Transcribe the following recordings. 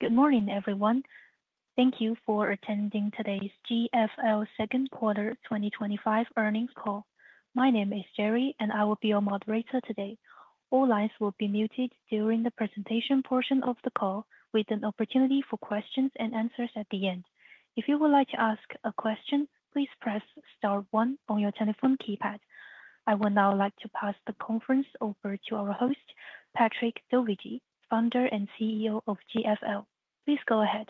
Good morning, everyone. Thank you for attending today's GFL second quarter 2025 earnings call. My name is Jerry, and I will be your moderator today. All lines will be muted during the presentation portion of the call, with an opportunity for questions and answers at the end. If you would like to ask a question, please press star one on your telephone keypad. I would now like to pass the conference over to our host, Patrick Dovigi, Founder and CEO of GFL. Please go ahead.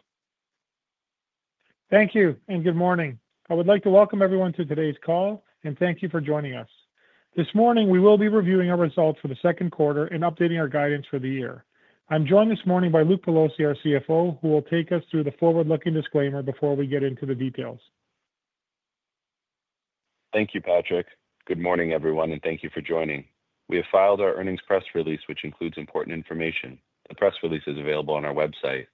Thank you, and good morning. I would like to welcome everyone to today's call, and thank you for joining us. This morning, we will be reviewing our results for the second quarter and updating our guidance for the year. I'm joined this morning by Luke Pelosi, our CFO, who will take us through the forward-looking disclaimer before we get into the details. Thank you, Patrick. Good morning, everyone, and thank you for joining. We have filed our earnings press release, which includes important information. The press release is available on our website.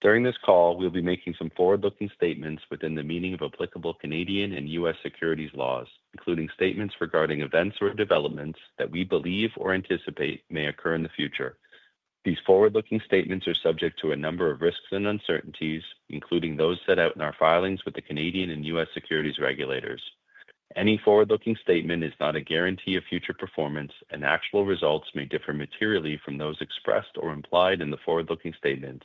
During this call, we'll be making some forward-looking statements within the meaning of applicable Canadian and U.S. securities laws, including statements regarding events or developments that we believe or anticipate may occur in the future. These forward-looking statements are subject to a number of risks and uncertainties, including those set out in our filings with the Canadian and U.S. securities regulators. Any forward-looking statement is not a guarantee of future performance, and actual results may differ materially from those expressed or implied in the forward-looking statements.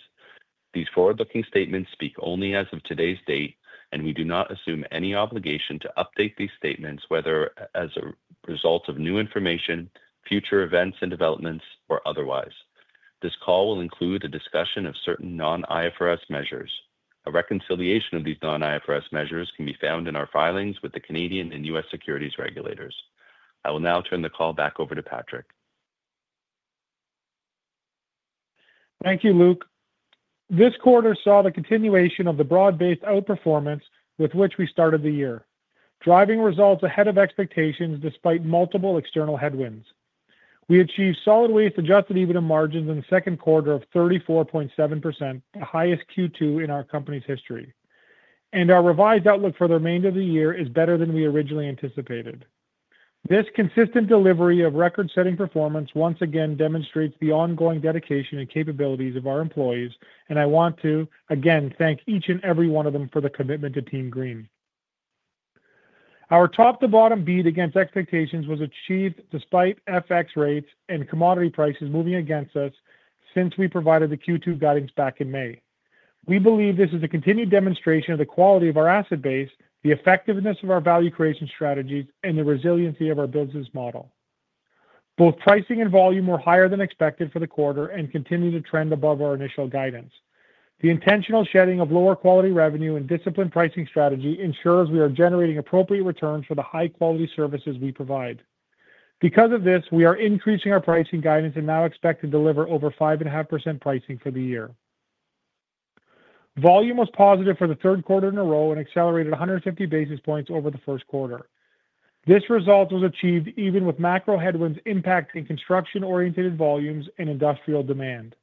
These forward-looking statements speak only as of today's date, and we do not assume any obligation to update these statements, whether as a result of new information, future events and developments, or otherwise. This call will include a discussion of certain non-IFRS measures. A reconciliation of these non-IFRS measures can be found in our filings with the Canadian and U.S. securities regulators. I will now turn the call back over to Patrick. Thank you, Luke. This quarter saw the continuation of the broad-based outperformance with which we started the year, driving results ahead of expectations despite multiple external headwinds. We achieved solid wage-adjusted dividend margins in the second quarter of 34.7%, the highest Q2 in our company's history. Our revised outlook for the remainder of the year is better than we originally anticipated. This consistent delivery of record-setting performance once again demonstrates the ongoing dedication and capabilities of our employees, and I want to again thank each and every one of them for the commitment to TEAM GREEN. Our top-to-bottom beat against expectations was achieved despite FX rates and commodity prices moving against us since we provided the Q2 guidance back in May. We believe this is a continued demonstration of the quality of our asset base, the effectiveness of our value creation strategies, and the resiliency of our business model. Both pricing and volume were higher than expected for the quarter and continue to trend above our initial guidance. The intentional shedding of lower quality revenue and disciplined pricing strategy ensures we are generating appropriate returns for the high-quality services we provide. Because of this, we are increasing our pricing guidance and now expect to deliver over 5.5% pricing for the year. Volume was positive for the third quarter in a row and accelerated 150 basis points over the first quarter. This result was achieved even with macro headwinds impacting construction-oriented volumes and industrial demand.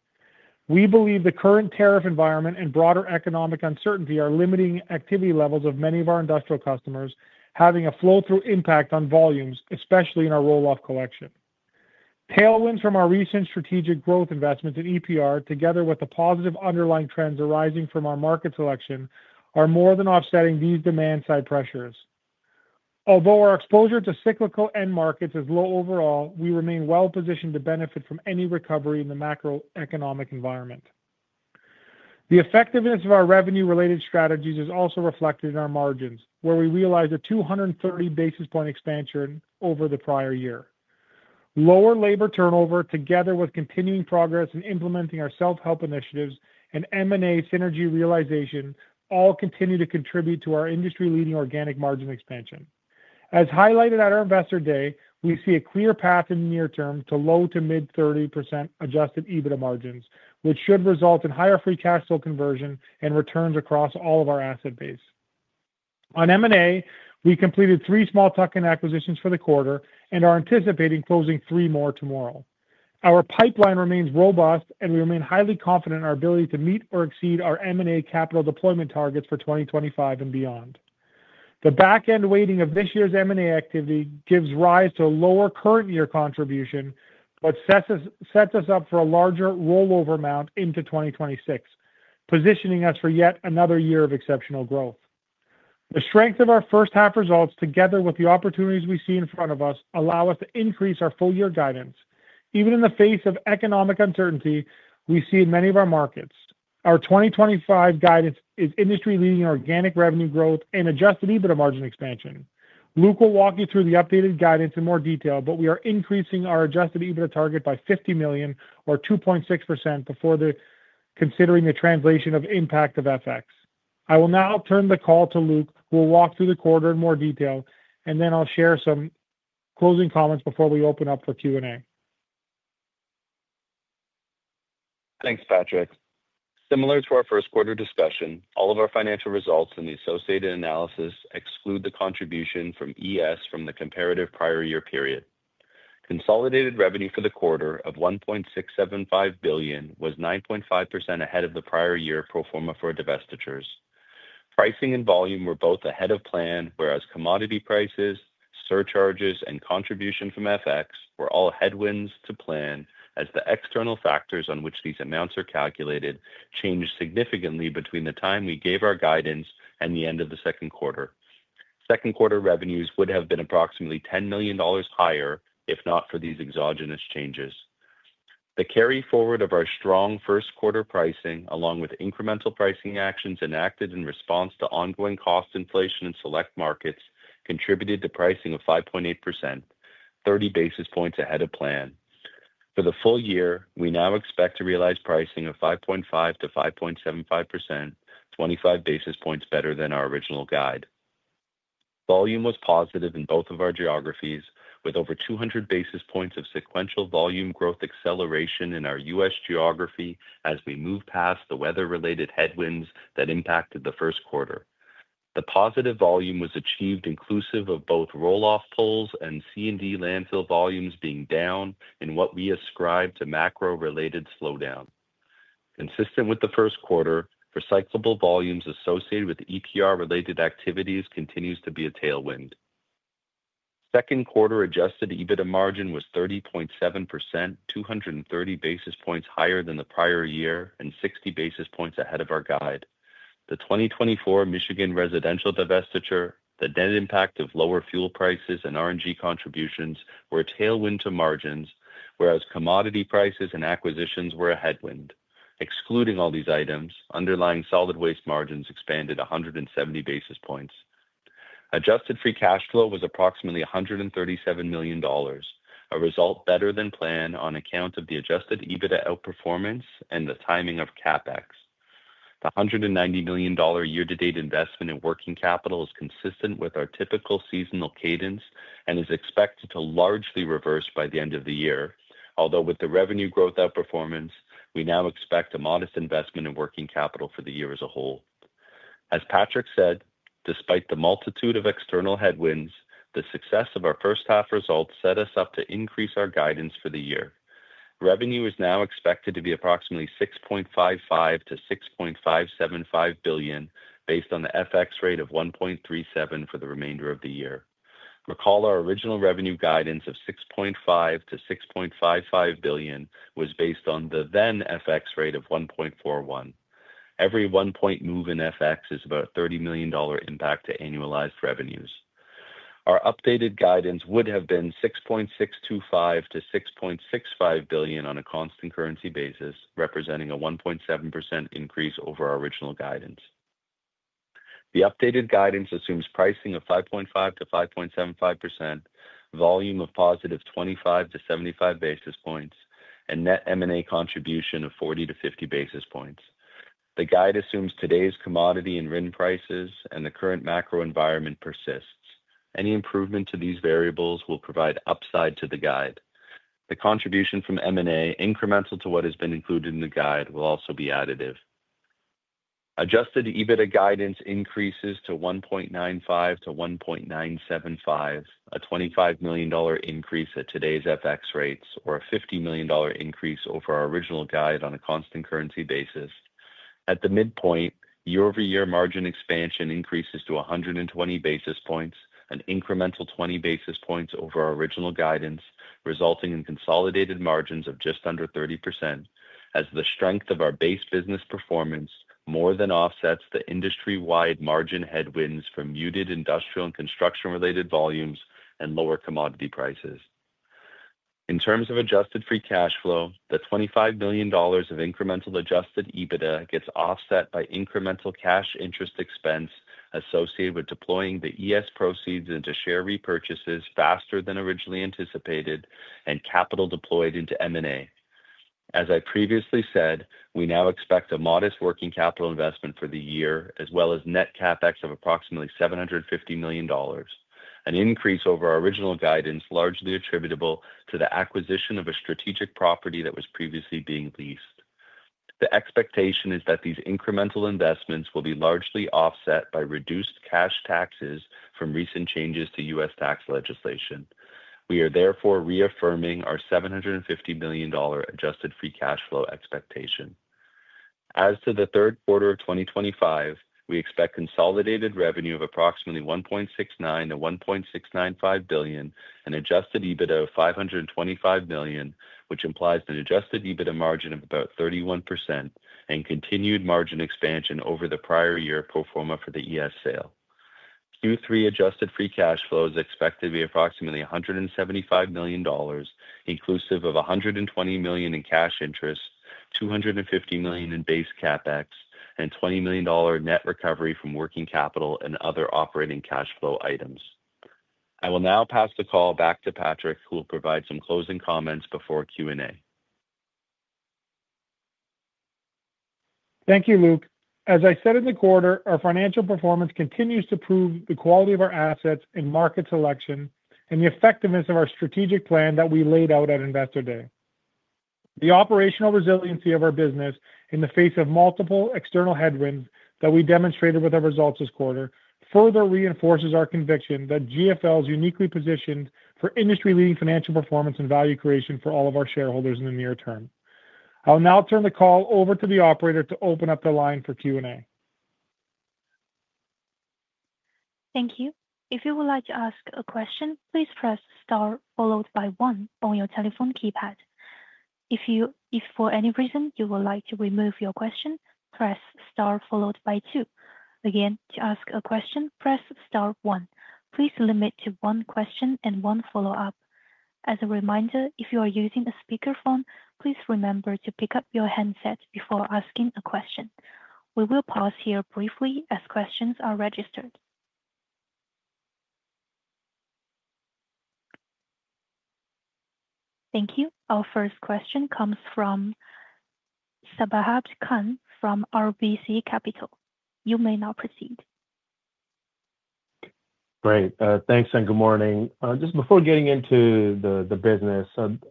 We believe the current tariff environment and broader economic uncertainty are limiting activity levels of many of our industrial customers, having a flow-through impact on volumes, especially in our roll-off collection. Tailwinds from our recent strategic growth investments in EPR, together with the positive underlying trends arising from our market selection, are more than offsetting these demand-side pressures. Although our exposure to cyclical end markets is low overall, we remain well-positioned to benefit from any recovery in the macroeconomic environment. The effectiveness of our revenue-related strategies is also reflected in our margins, where we realized a 230 basis point expansion over the prior year. Lower labor turnover, together with continuing progress in implementing our self-help initiatives and M&A synergy realization, all continue to contribute to our industry-leading organic margin expansion. As highlighted at our investor day, we see a clear path in the near term to low to mid-30% adjusted EBITDA margins, which should result in higher free cash flow conversion and returns across all of our asset base. On M&A, we completed three small tuck-in acquisitions for the quarter and are anticipating closing three more tomorrow. Our pipeline remains robust, and we remain highly confident in our ability to meet or exceed our M&A capital deployment targets for 2025 and beyond. The back-end weighting of this year's M&A activity gives rise to a lower current-year contribution but sets us up for a larger rollover amount into 2026, positioning us for yet another year of exceptional growth. The strength of our first-half results, together with the opportunities we see in front of us, allow us to increase our full-year guidance. Even in the face of economic uncertainty we see in many of our markets, our 2025 guidance is industry-leading organic revenue growth and adjusted EBITDA margin expansion. Luke will walk you through the updated guidance in more detail, but we are increasing our adjusted EBITDA target by 50 million, or 2.6%, before considering the translation of impact of FX. I will now turn the call to Luke, who will walk through the quarter in more detail, and then I'll share some closing comments before we open up for Q&A. Thanks, Patrick. Similar to our first-quarter discussion, all of our financial results and the associated analysis exclude the contribution from ES from the comparative prior-year period. Consolidated revenue for the quarter of 1.675 billion was 9.5% ahead of the prior-year pro forma for divestitures. Pricing and volume were both ahead of plan, whereas commodity prices, surcharges, and contribution from FX were all headwinds to plan, as the external factors on which these amounts are calculated changed significantly between the time we gave our guidance and the end of the second quarter. Second-quarter revenues would have been approximately 10 million dollars higher if not for these exogenous changes. The carry forward of our strong first-quarter pricing, along with incremental pricing actions enacted in response to ongoing cost inflation in select markets, contributed to pricing of 5.8%, 30 basis points ahead of plan. For the full year, we now expect to realize pricing of 5.5% to 5.75%, 25 basis points better than our original guide. Volume was positive in both of our geographies, with over 200 basis points of sequential volume growth acceleration in our U.S. geography as we move past the weather-related headwinds that impacted the first quarter. The positive volume was achieved inclusive of both roll-off pulls and C&D landfill volumes being down in what we ascribe to macro-related slowdown. Consistent with the first quarter, for cyclable volumes associated with EPR-related activities continues to be a tailwind. Second-quarter adjusted EBITDA margin was 30.7%, 230 basis points higher than the prior year and 60 basis points ahead of our guide. The 2024 Michigan residential divestiture, the net impact of lower fuel prices and RNG contributions were a tailwind to margins, whereas commodity prices and acquisitions were a headwind. Excluding all these items, underlying solid waste margins expanded 170 basis points. Adjusted free cash flow was approximately 137 million dollars, a result better than planned on account of the adjusted EBITDA outperformance and the timing of CapEx. The 190 million dollar year-to-date investment in working capital is consistent with our typical seasonal cadence and is expected to largely reverse by the end of the year, although with the revenue growth outperformance, we now expect a modest investment in working capital for the year as a whole. As Patrick said, despite the multitude of external headwinds, the success of our first-half results set us up to increase our guidance for the year. Revenue is now expected to be approximately 6.55 to 6.575 billion, based on the FX rate of 1.37 for the remainder of the year. Recall our original revenue guidance of 6.5 billion to 6.55 billion was based on the then FX rate of 1.41. Every one-point move in FX is about a 30 million dollar impact to annualized revenues. Our updated guidance would have been 6.625 to 6.65 billion on a constant currency basis, representing a 1.7% increase over our original guidance. The updated guidance assumes pricing of 5.5% to 5.75%, volume +25 to 75 basis points, and net M&A contribution of 40 to 50 basis points. The guide assumes today's commodity and RIN prices and the current macro environment persists. Any improvement to these variables will provide upside to the guide. The contribution from M&A, incremental to what has been included in the guide, will also be additive. Adjusted EBITDA guidance increases to 1.95 billion to 1.975 billion, a 25 million dollar increase at today's FX rates, or a 50 million dollar increase over our original guide on a constant currency basis. At the midpoint, year-over-year margin expansion increases to 120 basis points, an incremental 20 basis points over our original guidance, resulting in consolidated margins of just under 30%, as the strength of our base business performance more than offsets the industry-wide margin headwinds from muted industrial and construction-related volumes and lower commodity prices. In terms of adjusted free cash flow, the 25 million dollars of incremental adjusted EBITDA gets offset by incremental cash interest expense associated with deploying the ES proceeds into share repurchases faster than originally anticipated and capital deployed into M&A. As I previously said, we now expect a modest working capital investment for the year, as well as net CapEx of approximately 750 million dollars, an increase over our original guidance largely attributable to the acquisition of a strategic property that was previously being leased. The expectation is that these incremental investments will be largely offset by reduced cash taxes from recent changes to U.S. tax legislation. We are therefore reaffirming our 750 million dollar adjusted free cash flow expectation. As to the third quarter of 2025, we expect consolidated revenue of approximately 1.69 billion to 1.695 billion and adjusted EBITDA of 525 million, which implies an adjusted EBITDA margin of about 31% and continued margin expansion over the prior-year pro forma for the ES sale. Q3 adjusted free cash flow is expected to be approximately 175 million dollars, inclusive of 120 million in cash interest, 250 million in base CapEx, and 20 million dollar net recovery from working capital and other operating cash flow items. I will now pass the call back to Patrick, who will provide some closing comments before Q&A. Thank you, Luke. As I said in the quarter, our financial performance continues to prove the quality of our assets and market selection and the effectiveness of our strategic plan that we laid out at investor day. The operational resiliency of our business in the face of multiple external headwinds that we demonstrated with our results this quarter further reinforces our conviction that GFL is uniquely positioned for industry-leading financial performance and value creation for all of our shareholders in the near term. I'll now turn the call over to the operator to open up the line for Q&A. Thank you. If you would like to ask a question, please press Star followed by one on your telephone keypad. If for any reason you would like to remove your question, press Star followed by two. Again, to ask a question, press Star one. Please limit to one question and one follow-up. As a reminder, if you are using a speakerphone, please remember to pick up your handset before asking a question. We will pause here briefly as questions are registered. Thank you. Our first question comes from Sabahat Khan from RBC Capital. You may now proceed. Great. Thanks and good morning. Just before getting into the business,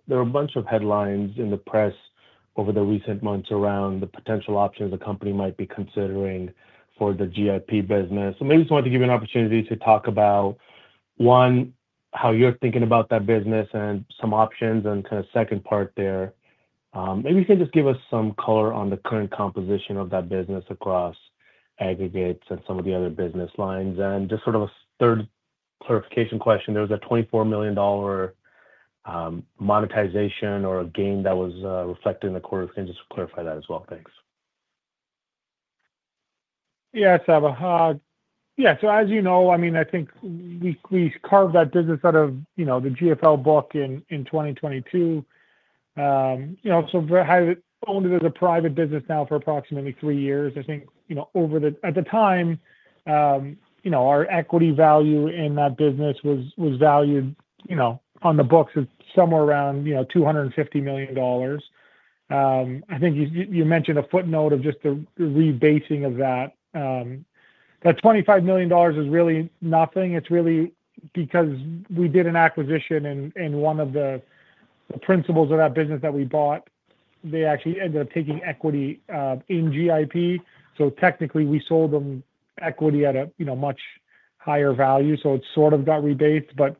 there were a bunch of headlines in the press over the recent months around the potential options a company might be considering for the GIP business. I just wanted to give you an opportunity to talk about, one, how you're thinking about that business and some options, and kind of second part there, maybe you can just give us some color on the current composition of that business across aggregates and some of the other business lines. Just sort of a third clarification question, there was a 24 million dollar monetization or a gain that was reflected in the quarter. Can you just clarify that as well? Thanks. Yeah, Sabahat. As you know, I think we carved that business out of the GFL book in 2022. I owned it as a private business now for approximately three years. At the time, our equity value in that business was valued on the books as somewhere around 250 million dollars. You mentioned a footnote of just the rebasing of that. That 25 million dollars is really nothing. It's really because we did an acquisition, and one of the principals of that business that we bought actually ended up taking equity in GIP. Technically, we sold them equity at a much higher value, so it sort of got rebased.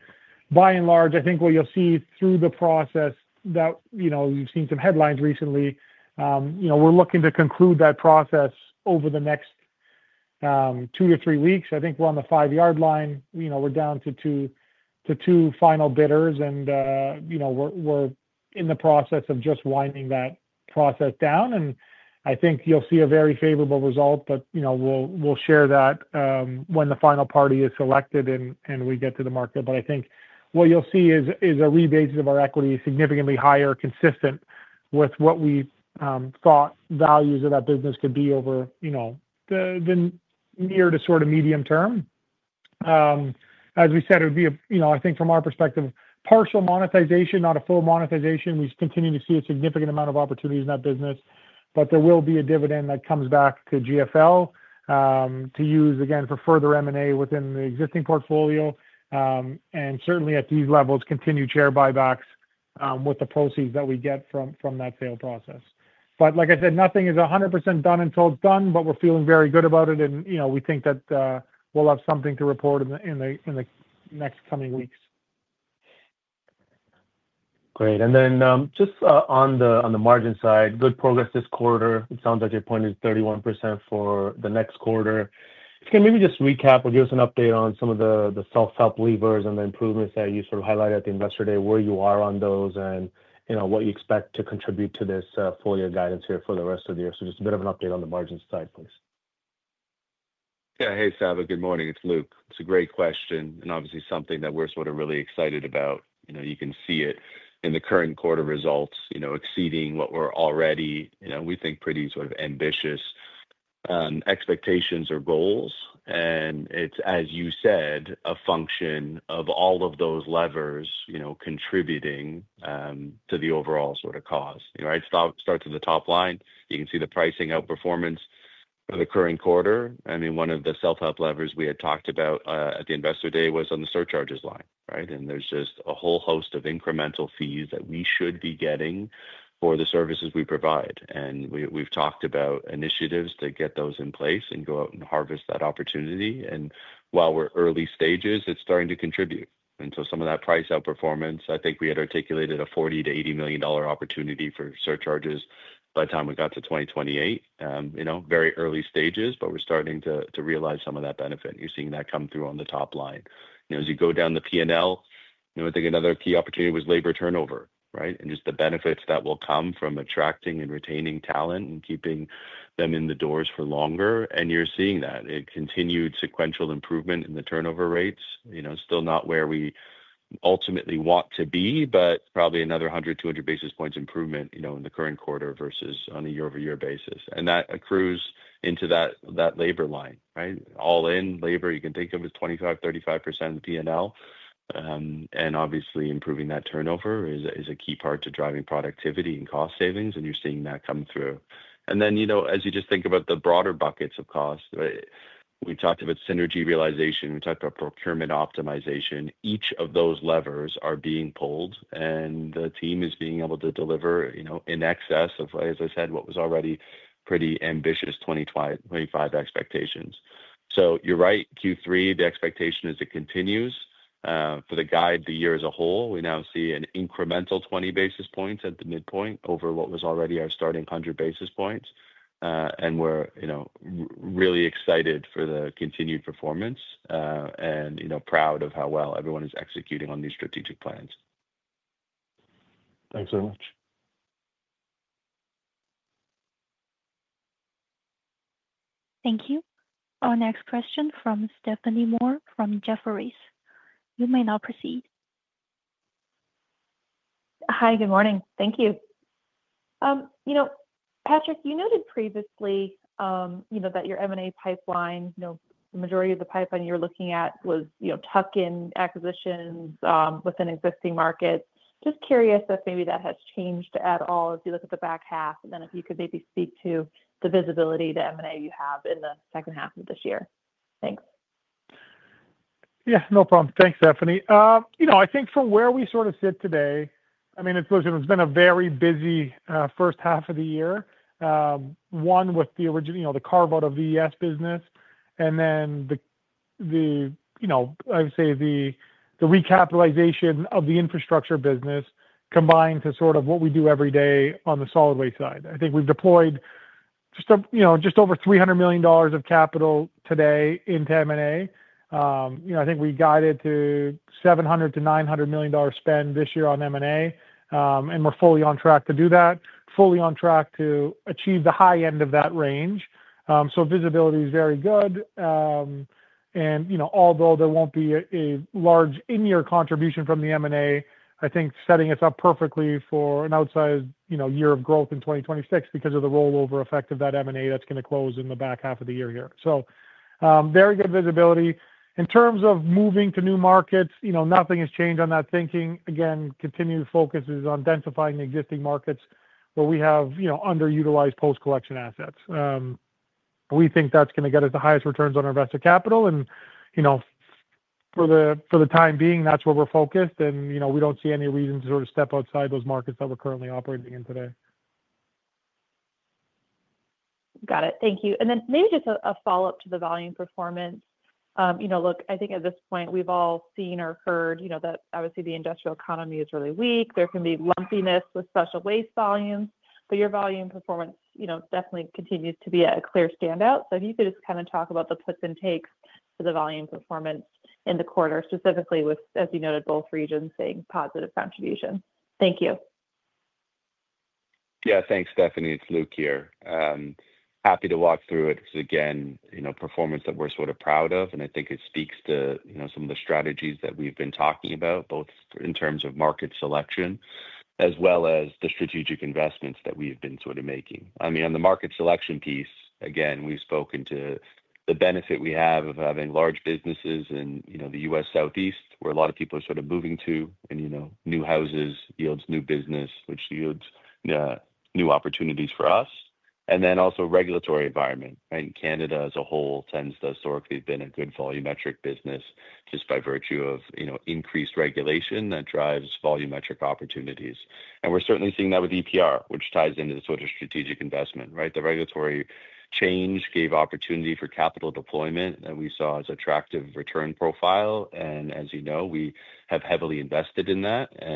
By and large, I think what you'll see through the process is that we've seen some headlines recently. We're looking to conclude that process over the next two to three weeks. I think we're on the five-yard line. We're down to two final bidders, and we're in the process of just winding that process down. I think you'll see a very favorable result, but we'll share that when the final party is selected and we get to the market. I think what you'll see is a rebasis of our equity significantly higher, consistent with what we thought values of that business could be over the near to sort of medium term. As we said, it would be, I think, from our perspective, partial monetization, not a full monetization. We continue to see a significant amount of opportunities in that business, but there will be a dividend that comes back to GFL to use again for further M&A within the existing portfolio. Certainly at these levels, continue share buybacks with the proceeds that we get from that sale process. Like I said, nothing is 100% done until it's done, but we're feeling very good about it, and we think that we'll have something to report in the next coming weeks. Great. Just on the margin side, good progress this quarter. It sounds like your point is 31% for the next quarter. Can you maybe just recap or give us an update on some of the self-help levers and the improvements that you sort of highlighted at the investor day, where you are on those and what you expect to contribute to this full-year guidance here for the rest of the year? Just a bit of an update on the margin side, please. Yeah. Hey, Sabahat. Good morning. It's Luke. It's a great question and obviously something that we're really excited about. You can see it in the current quarter results exceeding what were already, we think, pretty ambitious expectations or goals. It's, as you said, a function of all of those levers contributing to the overall cause. It starts at the top line. You can see the pricing outperformance of the current quarter. One of the self-help levers we had talked about at the investor day was on the surcharges line, right? There's just a whole host of incremental fees that we should be getting for the services we provide. We've talked about initiatives to get those in place and go out and harvest that opportunity. While we're early stages, it's starting to contribute. Some of that price outperformance, I think we had articulated a 40 million to 80 million dollar opportunity for surcharges by the time we got to 2028. Very early stages, but we're starting to realize some of that benefit. You're seeing that come through on the top line. As you go down the P&L, I think another key opportunity was labor turnover, right? The benefits that will come from attracting and retaining talent and keeping them in the doors for longer. You're seeing that. Continued sequential improvement in the turnover rates. Still not where we ultimately want to be, but probably another 100, 200 basis points improvement in the current quarter versus on a year-over-year basis. That accrues into that labor line, right? All-in labor, you can think of as 25% to 35% of the P&L. Obviously, improving that turnover is a key part to driving productivity and cost savings, and you're seeing that come through. As you just think about the broader buckets of cost, we talked about synergy realization. We talked about procurement optimization. Each of those levers are being pulled, and the team is being able to deliver in excess of, as I said, what was already pretty ambitious 2025 expectations. You're right, Q3, the expectation is it continues. For the guide, the year as a whole, we now see an incremental 20 basis points at the midpoint over what was already our starting 100 basis points. We're really excited for the continued performance and proud of how well everyone is executing on these strategic plans. Thanks very much. Thank you. Our next question from Stephanie Moore from Jefferies LLC. You may now proceed. Hi, good morning. Thank you. Patrick, you noted previously that your M&A pipeline, the majority of the pipeline you're looking at was tuck-in acquisitions within existing markets. Just curious if maybe that has changed at all as you look at the back half, and if you could maybe speak to the visibility to M&A you have in the second half of this year. Thanks. Yeah, no problem. Thanks, Stephanie. I think from where we sort of sit today, it's been a very busy first half of the year, one with the original carve-out of the ES business, and then the recapitalization of the infrastructure business combined to what we do every day on the solid waste side. I think we've deployed just over 300 million dollars of capital today into M&A. I think we guided to 700 million to 900 million dollar spend this year on M&A, and we're fully on track to do that, fully on track to achieve the high end of that range. Visibility is very good. Although there won't be a large in-year contribution from the M&A, I think setting us up perfectly for an outsized year of growth in 2026 because of the rollover effect of that M&A that's going to close in the back half of the year here. Very good visibility. In terms of moving to new markets, nothing has changed on that thinking. Continued focus is on densifying existing markets where we have underutilized post-collection assets. We think that's going to get us the highest returns on our vested capital. For the time being, that's where we're focused, and we don't see any reason to step outside those markets that we're currently operating in today. Got it. Thank you. Maybe just a follow-up to the volume performance. I think at this point, we've all seen or heard that obviously the industrial economy is really weak. There can be lumpiness with special waste volumes, but your volume performance definitely continues to be a clear standout. If you could just kind of talk about the puts and takes for the volume performance in the quarter, specifically with, as you noted, both regions saying positive contribution. Thank you. Yeah, thanks, Stephanie. It's Luke here. Happy to walk through it. It's again performance that we're sort of proud of, and I think it speaks to some of the strategies that we've been talking about, both in terms of market selection as well as the strategic investments that we've been sort of making. I mean, on the market selection piece, again, we've spoken to the benefit we have of having large businesses in the U.S. Southeast, where a lot of people are sort of moving to, and new houses yields new business, which yields new opportunities for us. Also, regulatory environment. Canada as a whole tends to historically have been a good volumetric business just by virtue of increased regulation that drives volumetric opportunities. We're certainly seeing that with EPR, which ties into the sort of strategic investment, right? The regulatory change gave opportunity for capital deployment that we saw as an attractive return profile. As you know, we have heavily invested in that. There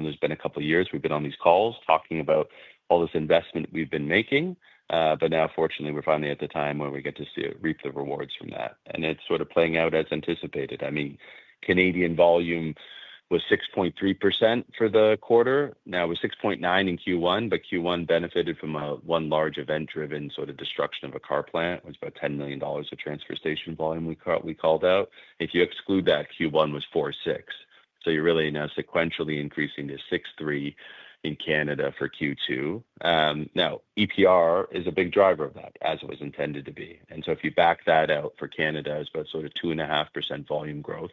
have been a couple of years we've been on these calls talking about all this investment we've been making. Now, fortunately, we're finally at the time where we get to reap the rewards from that, and it's sort of playing out as anticipated. Canadian volume was 6.3% for the quarter. It was 6.9% in Q1, but Q1 benefited from one large event-driven sort of destruction of a car plant, which was about 10 million dollars of transfer station volume we called out. If you exclude that, Q1 was 4.6%. You're really now sequentially increasing to 6.3% in Canada for Q2. EPR is a big driver of that, as it was intended to be. If you back that out for Canada, it's about sort of 2.5% volume growth,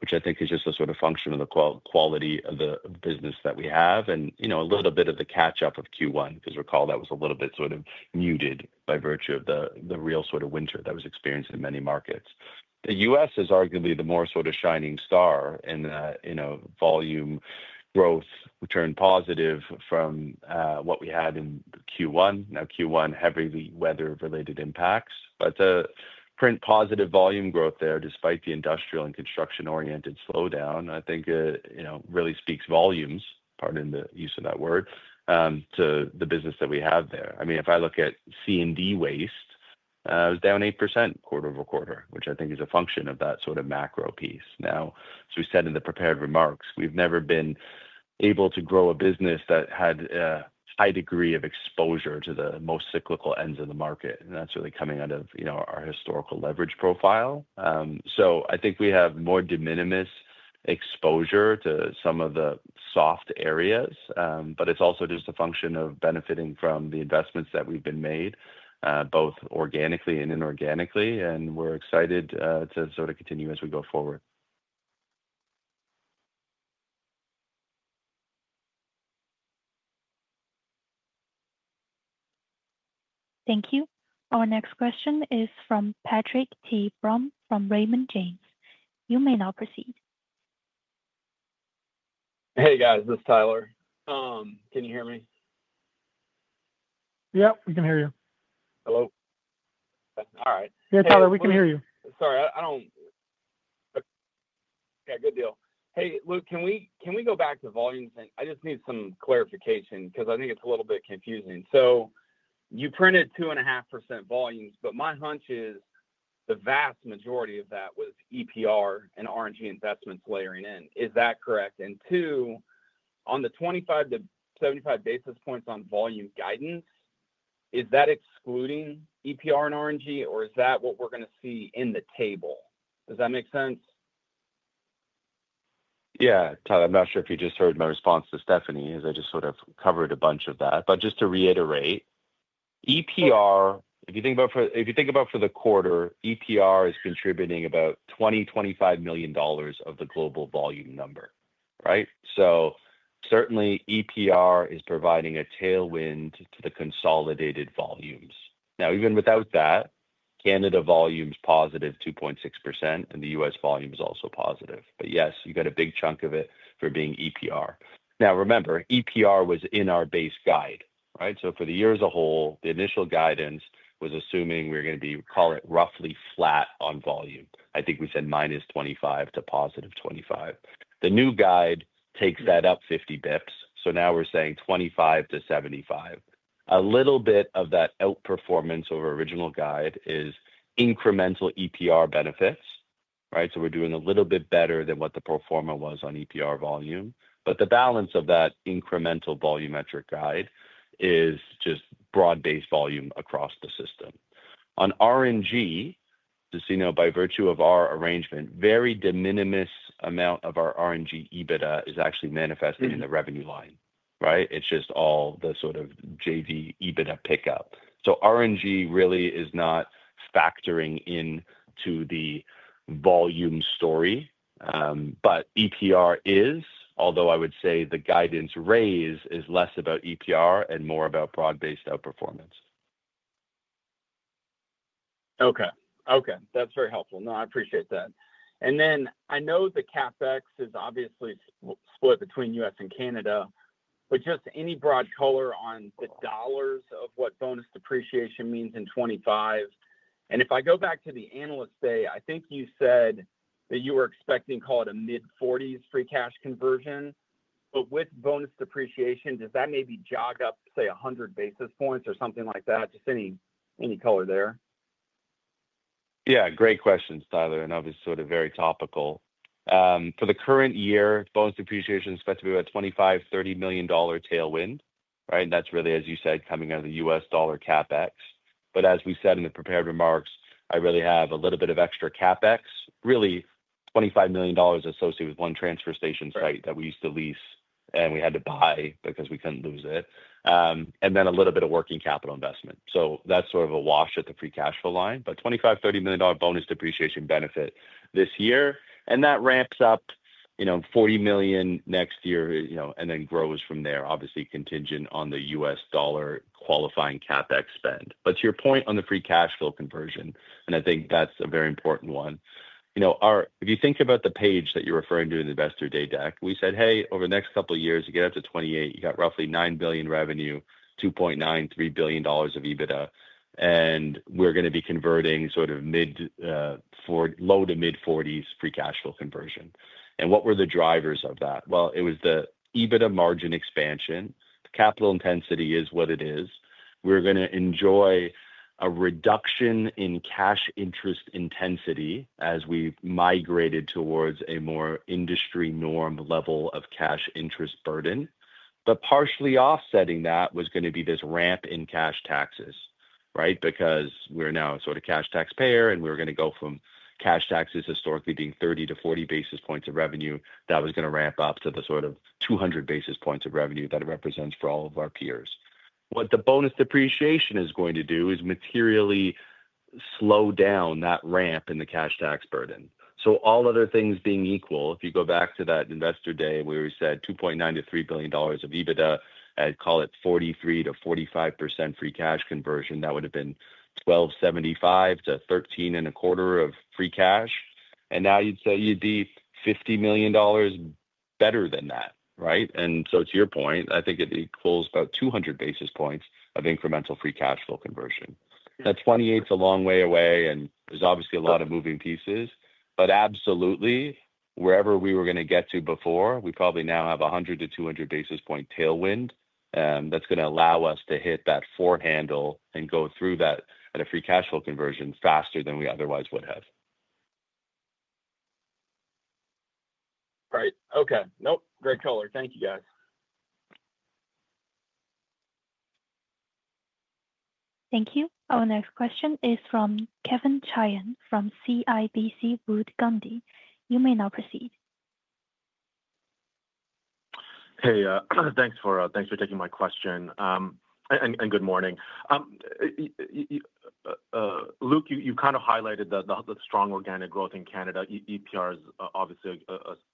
which I think is just a sort of function of the quality of the business that we have and a little bit of the catch-up of Q1 because recall that was a little bit sort of muted by virtue of the real sort of winter that was experienced in many markets. The U.S. is arguably the more sort of shining star in that volume growth returned positive from what we had in Q1. Q1 had heavily weather-related impacts, but to print positive volume growth there despite the industrial and construction-oriented slowdown, I think it really speaks volumes, pardon the use of that word, to the business that we have there. If I look at C&D waste, it was down 8% quarter over quarter, which I think is a function of that sort of macro piece. Now, as we said in the prepared remarks, we've never been able to grow a business that had a high degree of exposure to the most cyclical ends of the market. That's really coming out of our historical leverage profile. I think we have more de minimis exposure to some of the soft areas, but it's also just a function of benefiting from the investments that we've made, both organically and inorganically. We're excited to sort of continue as we go forward. Thank you. Our next question is from Patrick T Brown from Raymond James. You may now proceed. Hey, guys. This is Tyler. Can you hear me? Yeah, we can hear you. Hello. All right. Yeah, Tyler, we can hear you. Sorry, I don't. Yeah, good deal. Hey, Luke, can we go back to volumes? I just need some clarification because I think it's a little bit confusing. You printed 2.5% volumes, but my hunch is the vast majority of that was EPR and RNG investments layering in. Is that correct? On the 25 to 75 basis points on volume guidance, is that excluding EPR and RNG, or is that what we're going to see in the table? Does that make sense? Yeah, Tyler, I'm not sure if you just heard my response to Stephanie as I just sort of covered a bunch of that. Just to reiterate, EPR, if you think about for the quarter, EPR is contributing about 20 million to 25 million dollars of the global volume number, right? Certainly, EPR is providing a tailwind to the consolidated volumes. Now, even without that, Canada volume is positive 2.6%, and the U.S. volume is also positive. Yes, you got a big chunk of it for being EPR. Remember, EPR was in our base guide, right? For the year as a whole, the initial guidance was assuming we were going to be, call it roughly flat on volume. I think we said -25 to +25. The new guide takes that up 50 bps. Now we're saying 25 to 75. A little bit of that outperformance of our original guide is incremental EPR benefits, right? We're doing a little bit better than what the performer was on EPR volume. The balance of that incremental volumetric guide is just broad-based volume across the system. On RNG, just by virtue of our arrangement, very de minimis amount of our RNG EBITDA is actually manifested in the revenue line, right? It's just all the sort of JV EBITDA pickup. RNG really is not factoring into the volume story. EPR is, although I would say the guidance raise is less about EPR and more about broad-based outperformance. Okay. That's very helpful. I appreciate that. I know the CapEx is obviously split between the U.S. and Canada, but just any broad color on the dollars of what bonus depreciation means in 2025. If I go back to the analyst day, I think you said that you were expecting, call it a mid-40s free cash conversion. With bonus depreciation, does that maybe jog up, say, 100 basis points or something like that? Just any color there. Yeah, great questions, Tyler, and obviously sort of very topical. For the current year, bonus depreciation is expected to be about 25 million to 30 million dollar tailwind, right? That's really, as you said, coming out of the U.S. dollar CapEx. As we said in the prepared remarks, I really have a little bit of extra CapEx, really 25 million dollars associated with one transfer station site that we used to lease and we had to buy because we couldn't lose it. Then a little bit of working capital investment. That's sort of a wash at the free cash flow line. 25 million to 30 million dollar bonus depreciation benefit this year. That ramps up, 40 million next year and then grows from there, obviously contingent on the U.S. dollar qualifying CapEx spend. To your point on the free cash flow conversion, and I think that's a very important one. If you think about the page that you're referring to in the Investor Day deck, we said, "Hey, over the next couple of years, you get up to 2028, you got roughly 9 billion revenue, 2.9 billion to 3 billion dollars of EBITDA, and we're going to be converting sort of mid, low to mid-40s free cash flow conversion." What were the drivers of that? It was the EBITDA margin expansion. Capital intensity is what it is. We're going to enjoy a reduction in cash interest intensity as we migrated towards a more industry norm level of cash interest burden. Partially offsetting that was going to be this ramp in cash taxes, right? Because we're now sort of cash tax payer and we're going to go from cash taxes historically being 30 to 40 basis points of revenue. That was going to ramp up to the sort of 200 basis points of revenue that it represents for all of our peers. What the bonus depreciation is going to do is materially slow down that ramp in the cash tax burden. All other things being equal, if you go back to that Investor Day where we said 2.9 billion dollars to 3 billion dollars of EBITDA, I'd call it 43% to 45% free cash conversion. That would have been 1,275 million to 1,325 million of free cash. Now you'd say you'd be 50 million dollars better than that, right? To your point, I think it equals about 200 basis points of incremental free cash flow conversion. That 2028 is a long way away, and there's obviously a lot of moving pieces. Absolutely, wherever we were going to get to before, we probably now have 100 to 200 basis point tailwind that's going to allow us to hit that four handle and go through that at a free cash flow conversion faster than we otherwise would have. Right. Okay. Great color. Thank you, guys. Thank you. Our next question is from Kevin Chiang from CIBC Wood Gundy. You may now proceed. Hey, thanks for taking my question. Good morning. Luke, you kind of highlighted the strong organic growth in Canada. EPR is obviously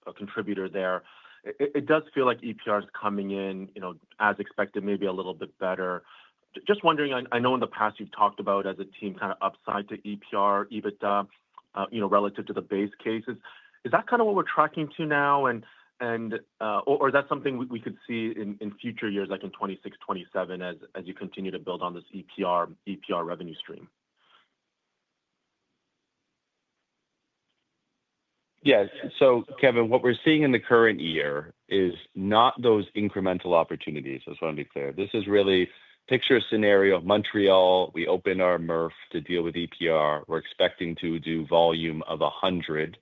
a contributor there. It does feel like EPR is coming in as expected, maybe a little bit better. Just wondering, I know in the past you've talked about as a team kind of upside to EPR, EBITDA, relative to the base cases. Is that kind of what we're tracking to now? Is that something we could see in future years, like in 2026, 2027, as you continue to build on this EPR revenue stream? Yes. Kevin, what we're seeing in the current year is not those incremental opportunities, I just want to be clear. This is really picture a scenario of Montreal. We open our MRF to deal with EPR. We're expecting to do volume of 100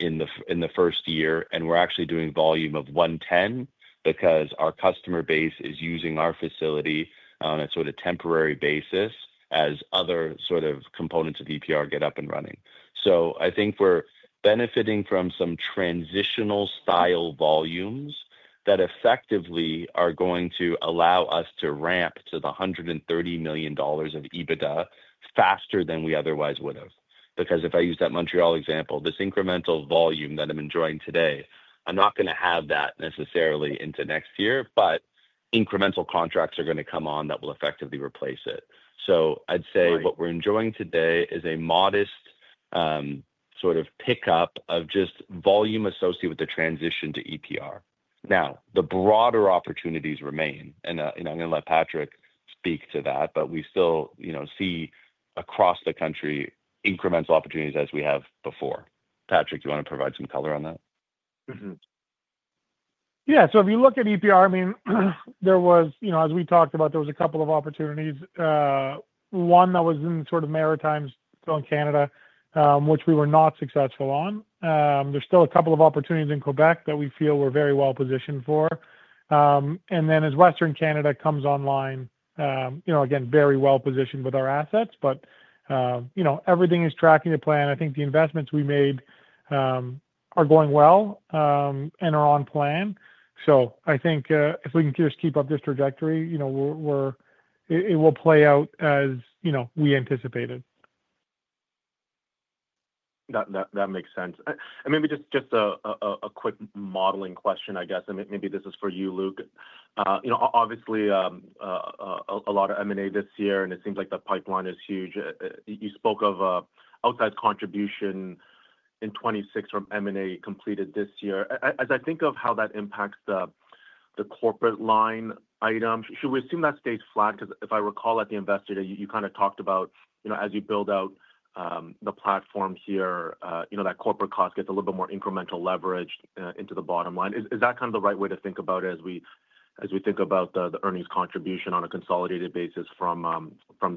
in the first year, and we're actually doing volume of 110 because our customer base is using our facility on a sort of temporary basis as other components of EPR get up and running. I think we're benefiting from some transitional style volumes that effectively are going to allow us to ramp to the 130 million dollars of EBITDA faster than we otherwise would have. If I use that Montreal example, this incremental volume that I'm enjoying today, I'm not going to have that necessarily into next year, but incremental contracts are going to come on that will effectively replace it. I'd say what we're enjoying today is a modest sort of pickup of just volume associated with the transition to EPR. The broader opportunities remain. I'm going to let Patrick speak to that, but we still see across the country incremental opportunities as we have before. Patrick, do you want to provide some color on that? Yeah. If you look at EPR, I mean, there was, as we talked about, a couple of opportunities. One that was in sort of Maritimes on Canada, which we were not successful on. There's still a couple of opportunities in Quebec that we feel we're very well positioned for. As Western Canada comes online, again, very well positioned with our assets. Everything is tracking the plan. I think the investments we made are going well and are on plan. If we can just keep up this trajectory, it will play out as we anticipated. That makes sense. Maybe just a quick modeling question, I guess. Maybe this is for you, Luke. Obviously, a lot of M&A this year, and it seems like the pipeline is huge. You spoke of outside contribution in 2026 from M&A completed this year. As I think of how that impacts the corporate line item, should we assume that stays flat? Because if I recall at the investor day, you kind of talked about as you build out the platform here, that corporate cost gets a little bit more incremental leverage into the bottom line. Is that kind of the right way to think about it as we think about the earnings contribution on a consolidated basis from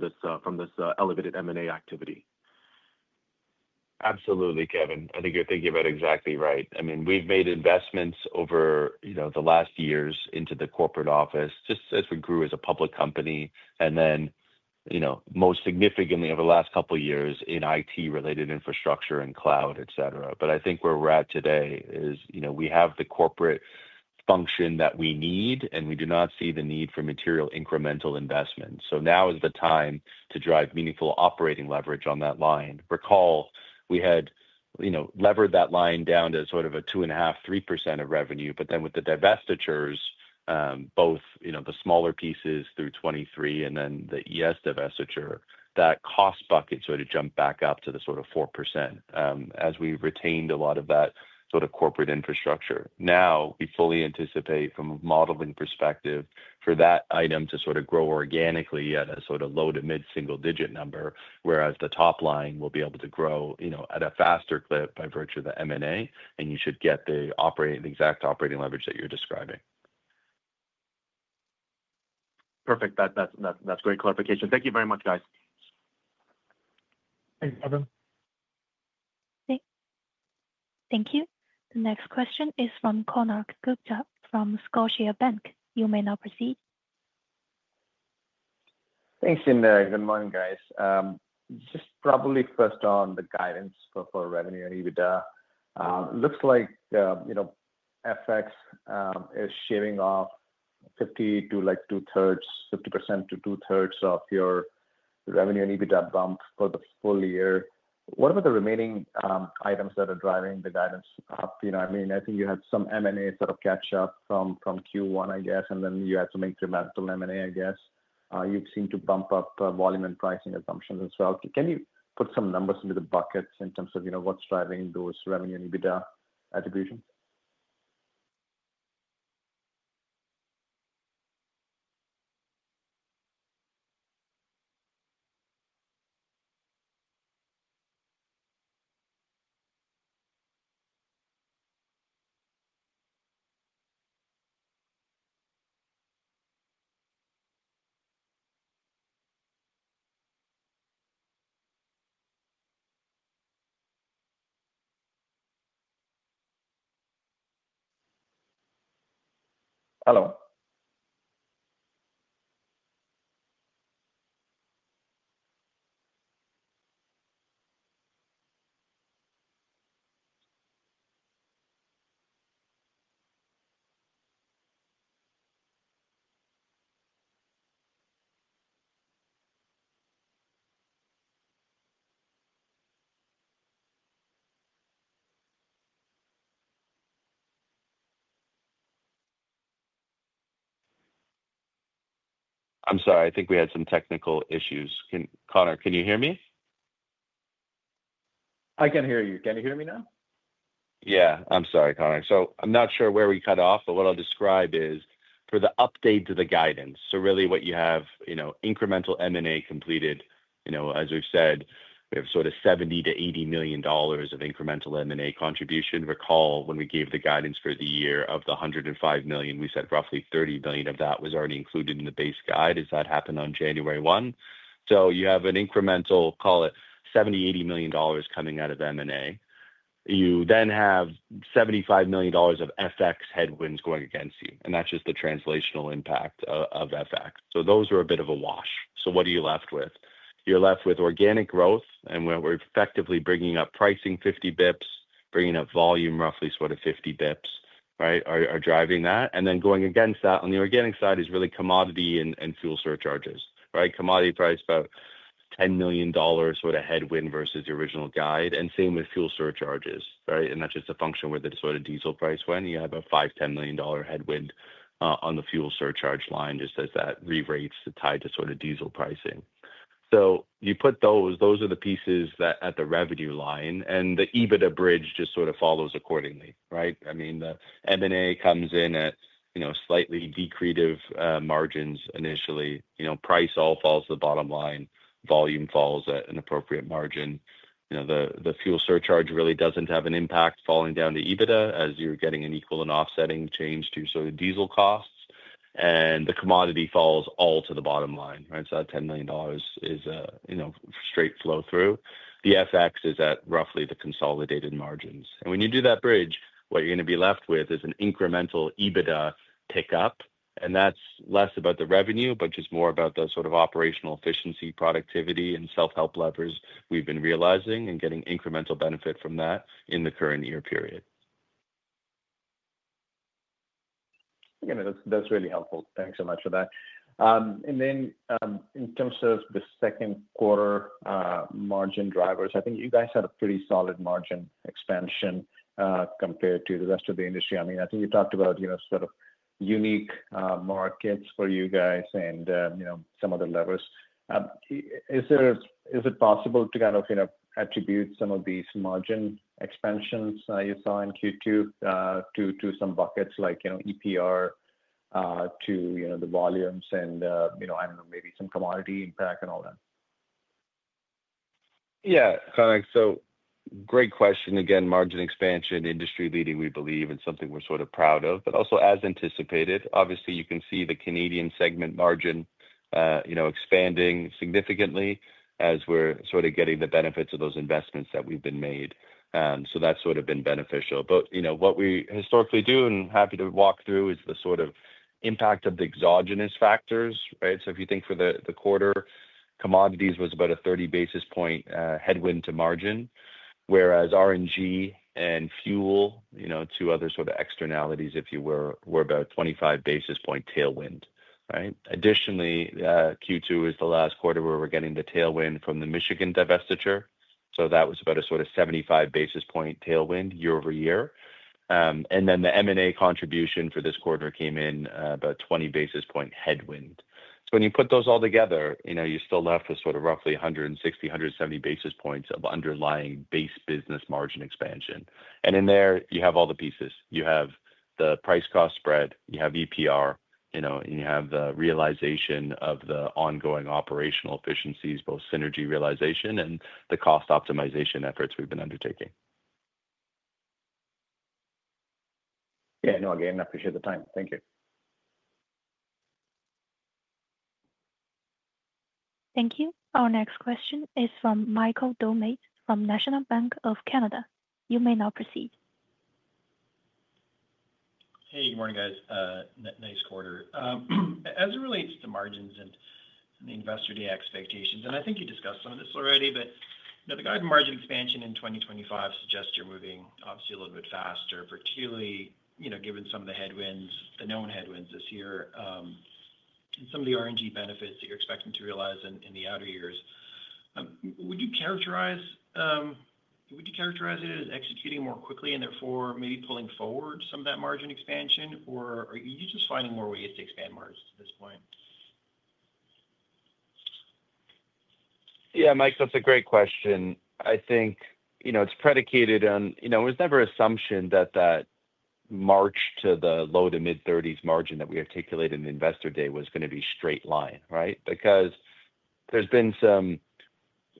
this elevated M&A activity? Absolutely, Kevin. I think you're thinking about it exactly right. I mean, we've made investments over the last years into the corporate office just as we grew as a public company. Most significantly over the last couple of years in IT-related infrastructure and cloud, etc. I think where we're at today is we have the corporate function that we need, and we do not see the need for material incremental investments. Now is the time to drive meaningful operating leverage on that line. Recall, we had levered that line down to sort of a 2.5%, 3% of revenue, but then with the divestitures, both the smaller pieces through 2023 and then the ES divestiture, that cost bucket sort of jumped back up to the sort of 4% as we retained a lot of that sort of corporate infrastructure. Now, we fully anticipate from a modeling perspective for that item to sort of grow organically at a sort of low to mid-single digit number, whereas the top line will be able to grow at a faster clip by virtue of the M&A, and you should get the exact operating leverage that you're describing. Perfect. That's great clarification. Thank you very much, guys. Thanks, Kevin. Thank you. The next question is from Konark Gupta from Scotiabank. You may now proceed. Thanks, Tim. Good morning, guys. Just probably first on the guidance for revenue and adjusted EBITDA. It looks like FX is shaving off 50% to like two-thirds, 50% to two-thirds of your revenue and adjusted EBITDA bump for the full year. What about the remaining items that are driving the guidance up? I mean, I think you had some M&A sort of catch-up from Q1, I guess, and then you had some incremental M&A, I guess. You've seemed to bump up volume and pricing assumptions as well. Can you put some numbers into the buckets in terms of what's driving those revenue and adjusted EBITDA attributions? Hello. I'm sorry. I think we had some technical issues. Konark, can you hear me? I can hear you. Can you hear me now? Yeah. I'm sorry, Konark. I'm not sure where we cut off, but what I'll describe is for the update to the guidance. Really what you have, incremental M&A completed, as we've said, we have sort of 70 million to 80 million dollars of incremental M&A contribution. Recall when we gave the guidance for the year of the 105 million, we said roughly 30 million of that was already included in the base guide, as that happened on January 1. You have an incremental, call it 70 million to 80 million dollars coming out of M&A. You then have 75 million dollars of FX headwinds going against you, and that's just the translational impact of FX. Those were a bit of a wash. What are you left with? You're left with organic growth, and we're effectively bringing up pricing 50 bps, bringing up volume roughly sort of 50 bps, right, are driving that. Going against that on the organic side is really commodity and fuel surcharges, right? Commodity price about 10 million dollars sort of headwind versus the original guide, and same with fuel surcharges, right? That's just a function where the sort of diesel price went. You have a 5 million dollar to CAD 10 million headwind on the fuel surcharge line just as that re-rates to tie to sort of diesel pricing. You put those, those are the pieces that at the revenue line, and the EBITDA bridge just sort of follows accordingly, right? I mean, the M&A comes in at slightly decreative margins initially. Price all falls to the bottom line. Volume falls at an appropriate margin. The fuel surcharge really doesn't have an impact falling down to EBITDA as you're getting an equal and offsetting change to sort of diesel costs. The commodity falls all to the bottom line, right? That 10 million dollars is straight flow through. The FX is at roughly the consolidated margins. When you do that bridge, what you're going to be left with is an incremental EBITDA pickup. That's less about the revenue, but just more about the sort of operational efficiency, productivity, and self-help levers we've been realizing and getting incremental benefit from that in the current year period. Yeah, that's really helpful. Thanks so much for that. In terms of the second quarter margin drivers, I think you guys had a pretty solid margin expansion compared to the rest of the industry. I think you talked about sort of unique markets for you guys and some other levers. Is it possible to kind of attribute some of these margin expansions you saw in Q2 to some buckets like EPR, to the volumes, and maybe some commodity impact and all that? Yeah, Konark. Great question. Again, margin expansion, industry leading, we believe, and something we're sort of proud of. Also, as anticipated, you can see the Canadian segment margin expanding significantly as we're sort of getting the benefits of those investments that we've made. That's sort of been beneficial. What we historically do and happy to walk through is the sort of impact of the exogenous factors, right? If you think for the quarter, commodities was about a 30 basis point headwind to margin, whereas RNG and fuel, two other sort of externalities, if you will, were about a 25 basis point tailwind. Additionally, Q2 is the last quarter where we're getting the tailwind from the Michigan divestiture. That was about a 75 basis point tailwind year over year. The M&A contribution for this quarter came in about a 20 basis point headwind. When you put those all together, you're still left with roughly 160, 170 basis points of underlying base business margin expansion. In there, you have all the pieces. You have the price-cost spread, you have EPR, and you have the realization of the ongoing operational efficiencies, both synergy realization and the cost optimization efforts we've been undertaking. Yeah, no, again, I appreciate the time. Thank you. Thank you. Our next question is from Michael Doumet from National Bank of Canada. You may now proceed. Hey, good morning, guys. Nice quarter. As it relates to margins and the investor day expectations, I think you discussed some of this already, but the guidance margin expansion in 2025 suggests you're moving obviously a little bit faster, particularly given some of the headwinds, the known headwinds this year, and some of the RNG benefits that you're expecting to realize in the outer years. Would you characterize it as executing more quickly and therefore maybe pulling forward some of that margin expansion, or are you just finding more ways to expand margins at this point? Yeah, Mike, that's a great question. I think it's predicated on there's never an assumption that that march to the low to mid-30s margin that we articulated in investor day was going to be straight line, right? There have been some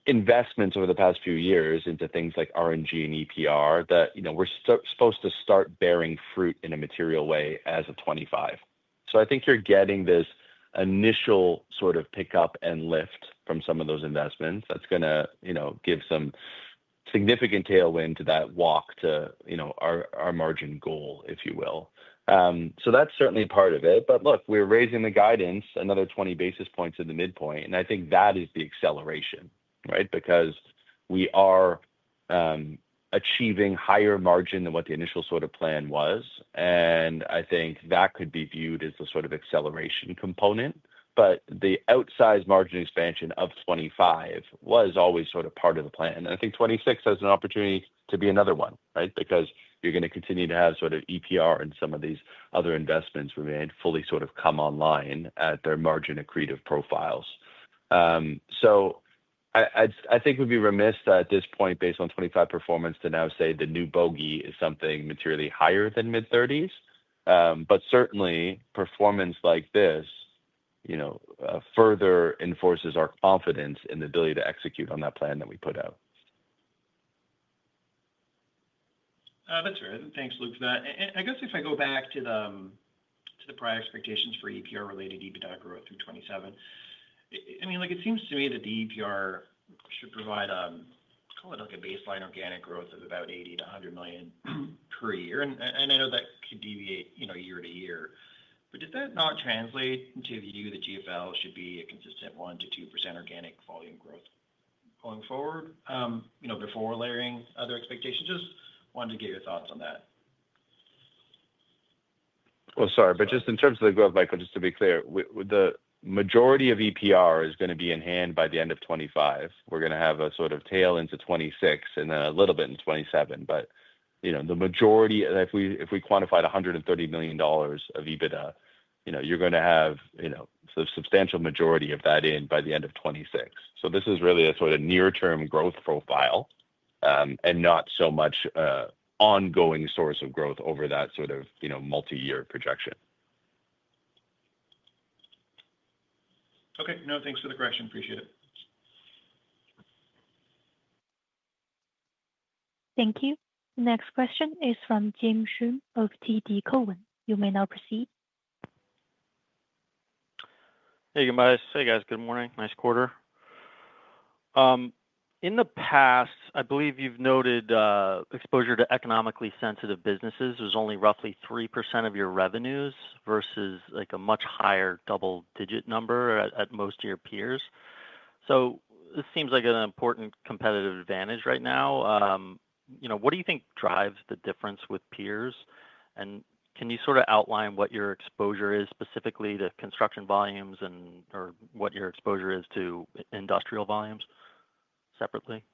investments over the past few years into things like RNG and EPR that were supposed to start bearing fruit in a material way as of 2025. I think you're getting this initial sort of pickup and lift from some of those investments that's going to give some significant tailwind to that walk to our margin goal, if you will. That's certainly part of it. We're raising the guidance another 20 basis points in the midpoint, and I think that is the acceleration, right? We are achieving higher margin than what the initial sort of plan was, and I think that could be viewed as the sort of acceleration component. The outsized margin expansion of 2025 was always sort of part of the plan. I think 2026 has an opportunity to be another one, right? You're going to continue to have sort of EPR and some of these other investments we made fully sort of come online at their margin accretive profiles. I think we'd be remiss at this point, based on 2025 performance, to now say the new bogey is something materially higher than mid-30s. Certainly, performance like this further enforces our confidence in the ability to execute on that plan that we put out. That's right. Thanks, Luke, for that. If I go back to the prior expectations for EPR-related adjusted EBITDA growth through 2027, it seems to me that the EPR should provide, call it like a baseline organic growth of about 80 million to 100 million per year. I know that could deviate year to year, but does that not translate into the view that GFL should be a consistent 1% to 2% organic volume growth going forward before layering other expectations? Just wanted to get your thoughts on that. In terms of the growth, Michael, just to be clear, the majority of EPR is going to be in hand by the end of 2025. We're going to have a sort of tail into 2026 and then a little bit in 2027. If we quantified 130 million dollars of adjusted EBITDA, you're going to have a substantial majority of that in by the end of 2026. This is really a sort of near-term growth profile, not so much an ongoing source of growth over that sort of multi-year projection. Okay, no, thanks for the question. Appreciate it. Thank you. The next question is from James Joseph Schumm of TD Cowen. You may now proceed. Good morning. Nice quarter. In the past, I believe you've noted exposure to economically sensitive businesses was only roughly 3% of your revenues versus a much higher double-digit number at most of your peers. This seems like an important competitive advantage right now. What do you think drives the difference with peers? Can you sort of outline what your exposure is specifically to construction volumes or what your exposure is to industrial volumes separately?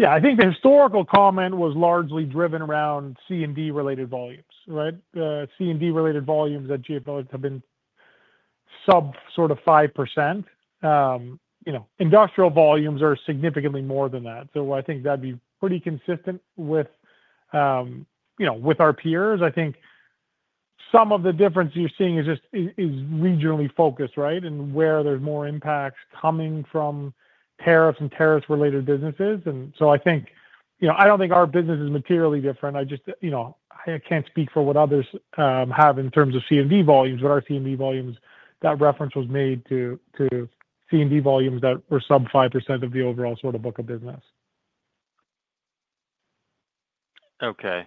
Yeah, I think the historical comment was largely driven around C&D-related volumes, right? C&D-related volumes at GFL have been sub sort of 5%. Industrial volumes are significantly more than that. I think that'd be pretty consistent with our peers. I think some of the difference you're seeing is just regionally focused, right? Where there's more impacts coming from tariffs and tariff-related businesses. I don't think our business is materially different. I can't speak for what others have in terms of C&D volumes, but our C&D volumes, that reference was made to C&D volumes that were sub 5% of the overall sort of book of business. Okay.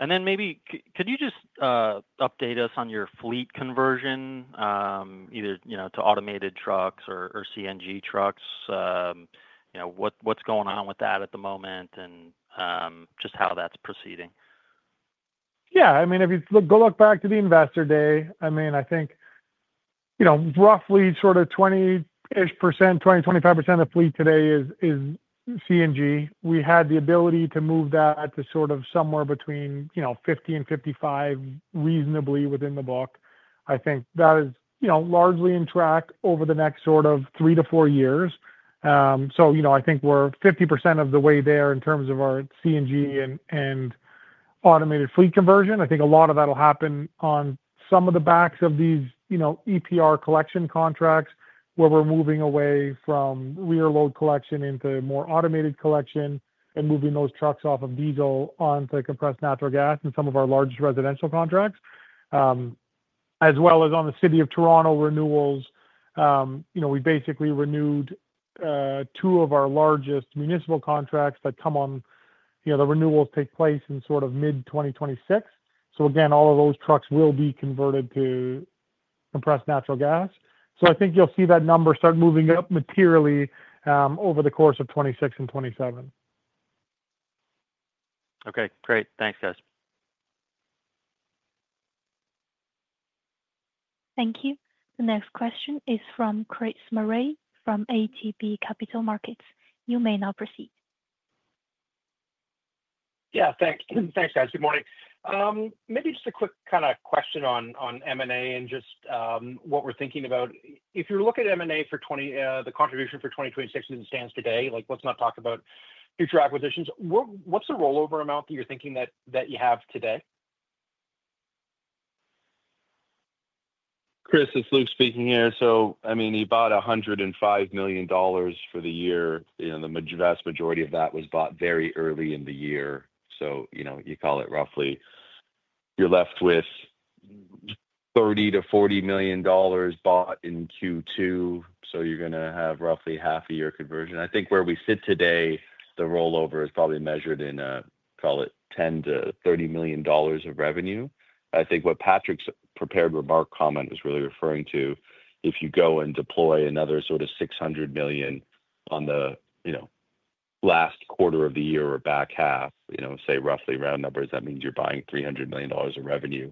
Could you just update us on your fleet conversion, either to automated trucks or compressed natural gas trucks? What's going on with that at the moment and how that's proceeding? Yeah. If you go look back to the investor day, I think roughly sort of 20% to 25% of the fleet today is CNG. We had the ability to move that to somewhere between 50% and 55% reasonably within the book. I think that is largely on track over the next three to four years. I think we're 50% of the way there in terms of our CNG and automated fleet conversion. I think a lot of that will happen on the backs of these EPR collection contracts where we're moving away from rear load collection into more automated collection and moving those trucks off of diesel onto compressed natural gas in some of our largest residential contracts, as well as on the City of Toronto renewals. We basically renewed two of our largest municipal contracts that come on. The renewals take place in mid-2026. All of those trucks will be converted to compressed natural gas. I think you'll see that number start moving up materially over the course of 2026 and 2027. Okay. Great. Thanks, guys. Thank you. The next question is from Chris Murray from ATB Capital Markets. You may now proceed. Yeah, thanks. Thanks, guys. Good morning. Maybe just a quick kind of question on M&A and just what we're thinking about. If you're looking at M&A for the contribution for 2026 as it stands today, let's not talk about future acquisitions. What's the rollover amount that you're thinking that you have today? Chris, it's Luke speaking here. He bought 105 million dollars for the year. The vast majority of that was bought very early in the year, so you call it roughly. You're left with 30 million to 40 million dollars bought in Q2, so you're going to have roughly half a year conversion. I think where we sit today, the rollover is probably measured in, call it, 10 million to 30 million dollars of revenue. I think what Patrick's prepared remark comment was really referring to, if you go and deploy another sort of 600 million on the last quarter of the year or back half, say roughly round numbers, that means you're buying 300 million dollars of revenue.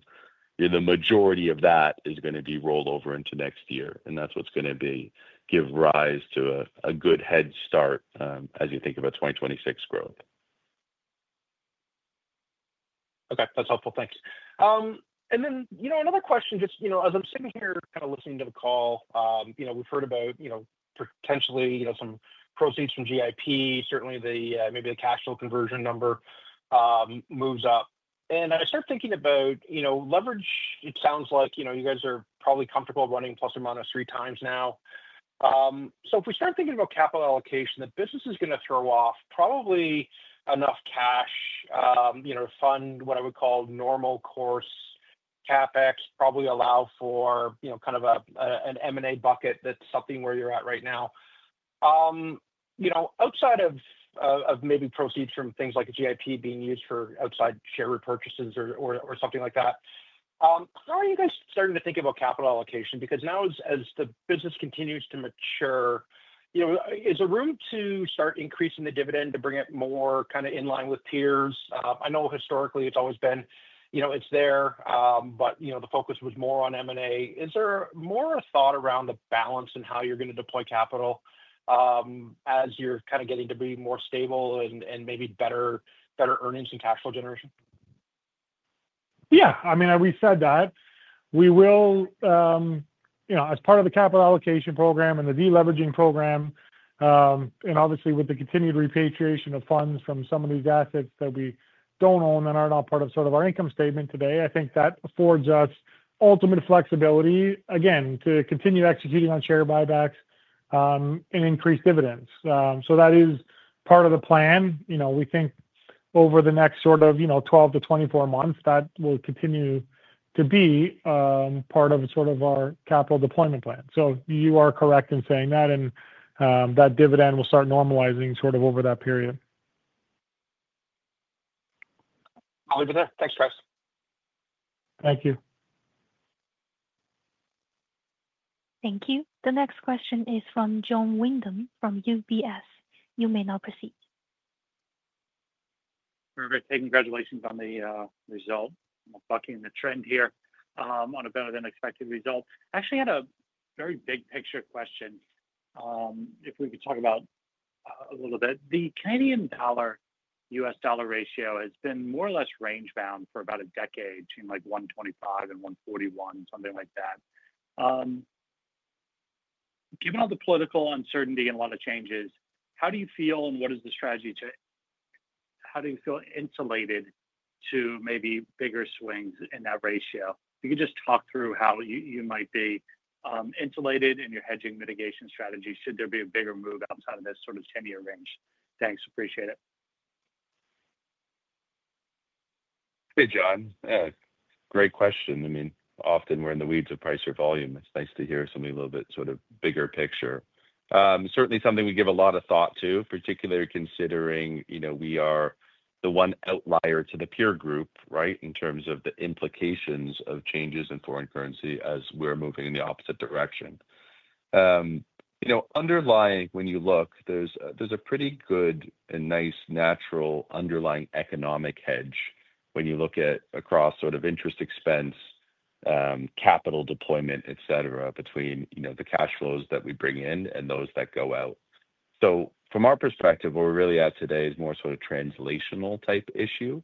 The majority of that is going to be rolled over into next year, and that's what's going to give rise to a good head start as you think about 2026 growth. Okay. That's helpful. Thanks. Another question, just as I'm sitting here kind of listening to the call, we've heard about potentially some proceeds from GIP. Certainly, maybe the cash flow conversion number moves up. I start thinking about leverage. It sounds like you guys are probably comfortable running plus or minus three times now. If we start thinking about capital allocation, the business is going to throw off probably enough cash to fund what I would call normal course CapEx, probably allow for kind of an M&A bucket. That's something where you're at right now. Outside of maybe proceeds from things like GIP being used for outside share repurchases or something like that, how are you guys starting to think about capital allocation? Now, as the business continues to mature, is there room to start increasing the dividend to bring it more kind of in line with peers? I know historically, it's always been it's there, but the focus was more on M&A. Is there more thought around the balance and how you're going to deploy capital as you're kind of getting to be more stable and maybe better earnings and cash flow generation? Yeah. I mean, we said that. We will, as part of the capital allocation program and the deleveraging program. Obviously, with the continued repatriation of funds from some of these assets that we don't own that aren't all part of sort of our income statement today, I think that affords us ultimate flexibility again to continue executing on share buybacks and increase dividends. That is part of the plan. We think over the next sort of 12 to 24 months, that will continue to be part of sort of our capital deployment plan. You are correct in saying that, and that dividend will start normalizing sort of over that period. I'll leave it there. Thanks, guys. Thank you. Thank you. The next question is from Jon Windham from UBS. You may now proceed. Perfect. Hey, congratulations on the result. I'm bucking the trend here on a better-than-expected result. Actually, I had a very big picture question. If we could talk about the Canadian dollar-U.S. dollar ratio, it has been more or less range-bound for about a decade, between like 1.25 and 1.41, something like that. Given all the political uncertainty and a lot of changes, how do you feel, and what is the strategy to, how do you feel insulated to maybe bigger swings in that ratio? If you could just talk through how you might be insulated in your hedging mitigation strategy should there be a bigger move outside of this sort of 10-year range. Thanks. Appreciate it. Hey, Jon. Great question. I mean, often we're in the weeds of price or volume. It's nice to hear something a little bit sort of bigger picture. Certainly something we give a lot of thought to, particularly considering we are the one outlier to the peer group, right, in terms of the implications of changes in foreign currency as we're moving in the opposite direction. Underlying, when you look, there's a pretty good and nice natural underlying economic hedge when you look at across sort of interest expense, capital deployment, etc., between the cash flows that we bring in and those that go out. From our perspective, what we're really at today is more sort of translational type issue.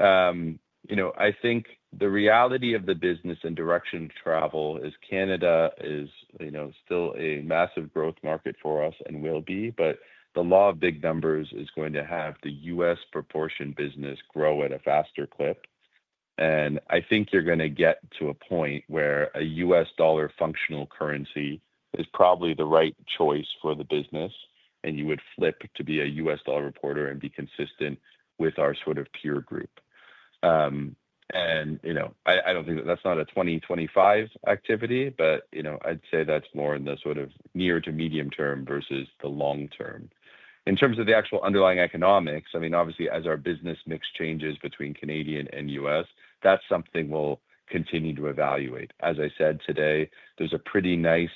I think the reality of the business and direction travel is Canada is still a massive growth market for us and will be, but the law of big numbers is going to have the U.S. proportion business grow at a faster clip. I think you're going to get to a point where a U.S. dollar functional currency is probably the right choice for the business, and you would flip to be a U.S. dollar reporter and be consistent with our sort of peer group. I don't think that that's a 2025 activity, but I'd say that's more in the sort of near to medium term versus the long term. In terms of the actual underlying economics, obviously, as our business mix changes between Canadian and U.S., that's something we'll continue to evaluate. As I said today, there's a pretty nice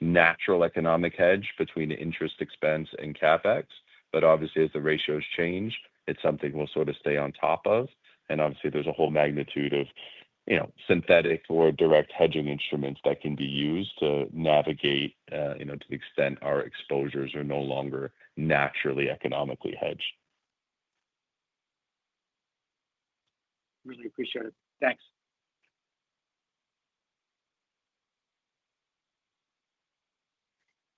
natural economic hedge between interest expense and CapEx. Obviously, as the ratios change, it's something we'll sort of stay on top of. Obviously, there's a whole magnitude of synthetic or direct hedging instruments that can be used to navigate to the extent our exposures are no longer naturally economically hedged. Really appreciate it. Thanks.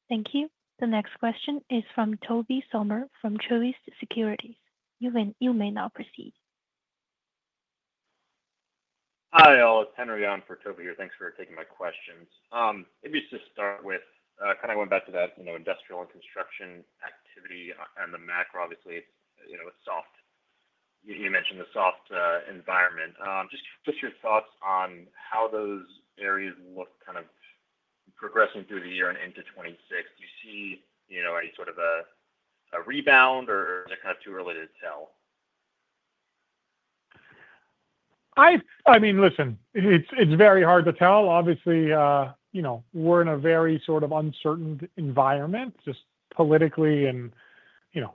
Thank you. The next question is from Tobey Sommer from Truist Securities. You may now proceed. Hi, all. It's Henry on for Tobey here. Thanks for taking my questions. Maybe just to start with, kind of going back to that industrial and construction activity and the macro, obviously, it's soft. You mentioned the soft environment. Just your thoughts on how those areas look progressing through the year and into 2026. Do you see any sort of rebound, or is it kind of too early to tell? I mean, listen, it's very hard to tell. Obviously, we're in a very sort of uncertain environment, just politically and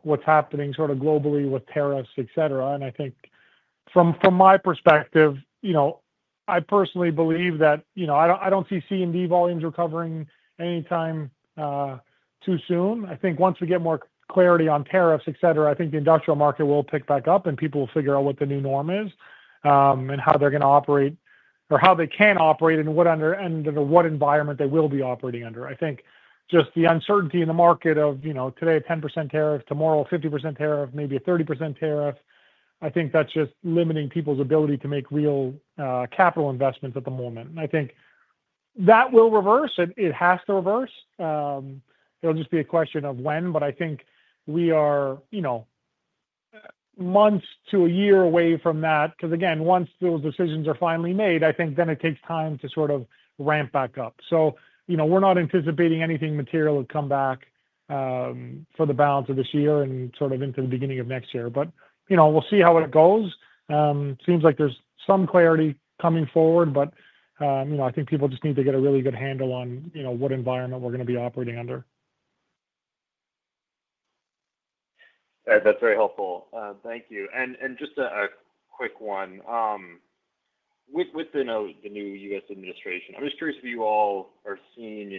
what's happening sort of globally with tariffs, etc. I think from my perspective, I personally believe that I don't see C&D volumes recovering anytime too soon. I think once we get more clarity on tariffs, etc., the industrial market will pick back up and people will figure out what the new norm is and how they're going to operate or how they can operate and what environment they will be operating under. I think just the uncertainty in the market of today, a 10% tariff, tomorrow, a 50% tariff, maybe a 30% tariff, is just limiting people's ability to make real capital investments at the moment. I think that will reverse. It has to reverse. It'll just be a question of when, but I think we are months to a year away from that. Because again, once those decisions are finally made, then it takes time to sort of ramp back up. We're not anticipating anything material to come back for the balance of this year and into the beginning of next year. We'll see how it goes. Seems like there's some clarity coming forward, but I think people just need to get a really good handle on what environment we're going to be operating under. That's very helpful. Thank you. Just a quick one. With the new U.S. administration, I'm just curious if you all are seeing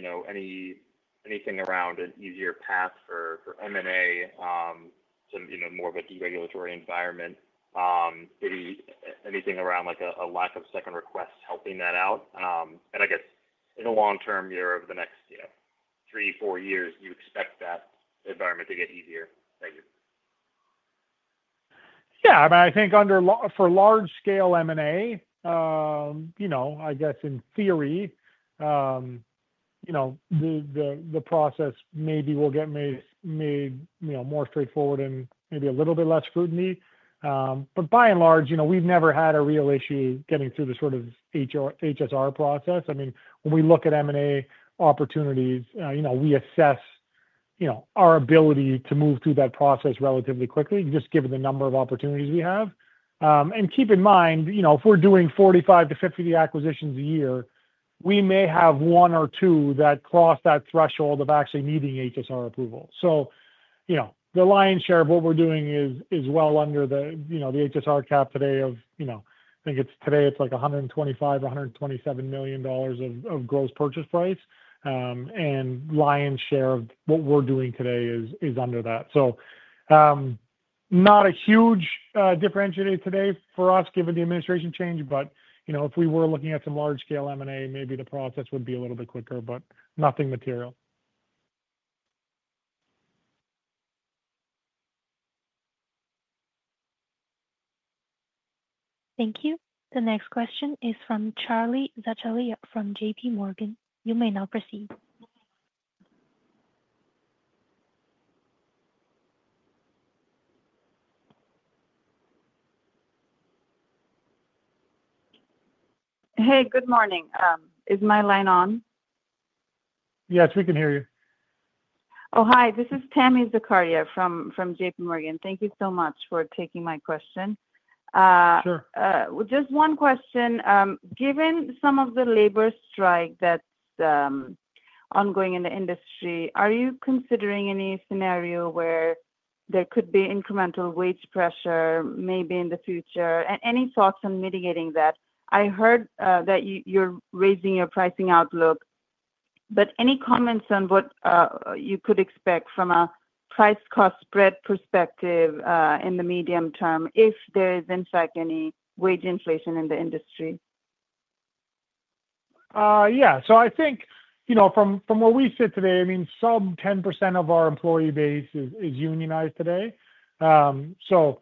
anything around an easier path for M&A, to more of a deregulatory environment. Anything around a lack of second requests helping that out? I guess in the long term, over the next three, four years, do you expect that environment to get easier? Thank you. Yeah. I mean, I think for large-scale M&A, I guess in theory the process maybe will get made more straightforward and maybe a little bit less scrutiny. By and large, we've never had a real issue getting through the sort of HSR process. I mean, when we look at M&A opportunities, we assess our ability to move through that process relatively quickly, just given the number of opportunities we have. Keep in mind, if we're doing 45 to 50 acquisitions a year, we may have one or two that cross that threshold of actually needing HSR approval. The lion's share of what we're doing is well under the HSR cap today of, I think today it's like 125 million, 127 million dollars of gross purchase price. The lion's share of what we're doing today is under that. Not a huge differentiator today for us, given the administration change. If we were looking at some large-scale M&A, maybe the process would be a little bit quicker, but nothing material. Thank you. The next question is from Tami Zakaria from JPMorgan. You may now proceed. Hey, good morning. Is my line on? Yes, we can hear you. Hi. This is Tami Zakaria from JPMorgan. Thank you so much for taking my question. Sure. Just one question. Given some of the labor strike that's ongoing in the industry, are you considering any scenario where there could be incremental wage pressure maybe in the future? Any thoughts on mitigating that? I heard that you're raising your pricing outlook, but any comments on what you could expect from a price-cost spread perspective in the medium term if there is, in fact, any wage inflation in the industry? Yeah. I think from where we sit today, some 10% of our employee base is unionized today, so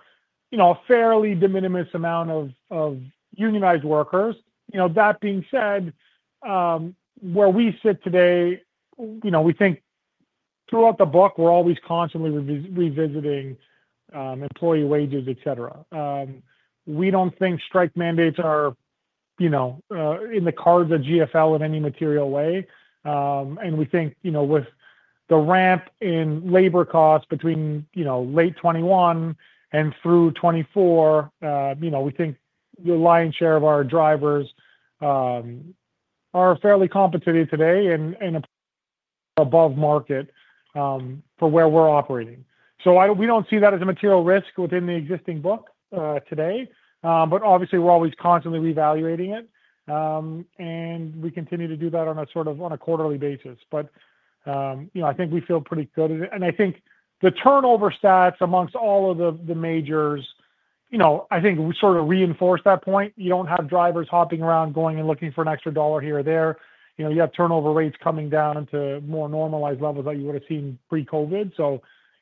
a fairly de minimis amount of unionized workers. That being said, where we sit today, we think throughout the book, we're always constantly revisiting employee wages, etc. We don't think strike mandates are in the cards at GFL in any material way. We think with the ramp in labor costs between late 2021 and through 2024, the lion's share of our drivers are fairly competitive today and above market for where we're operating. We don't see that as a material risk within the existing book today. Obviously, we're always constantly reevaluating it, and we continue to do that on a quarterly basis. I think we feel pretty good, and I think the turnover stats amongst all of the majors sort of reinforce that point. You don't have drivers hopping around, going and looking for an extra dollar here or there. You have turnover rates coming down to more normalized levels that you would have seen pre-COVID.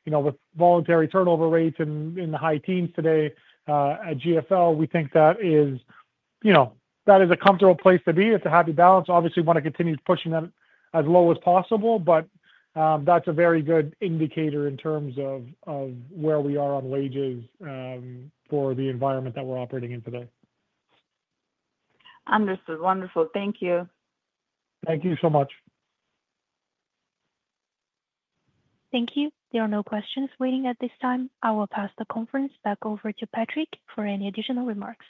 With voluntary turnover rates in the high teens today at GFL, we think that is a comfortable place to be. It's a happy balance. Obviously, we want to continue pushing that as low as possible, but that's a very good indicator in terms of where we are on wages for the environment that we're operating in today. Understood. Wonderful. Thank you. Thank you so much. Thank you. There are no questions waiting at this time. I will pass the conference back over to Patrick for any additional remarks.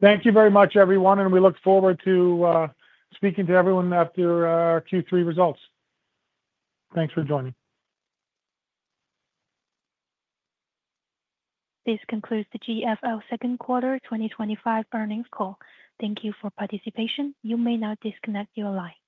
Thank you very much, everyone. We look forward to speaking to everyone after Q3 results. Thanks for joining. This concludes the GFL second quarter 2025 earnings call. Thank you for your participation. You may now disconnect your line.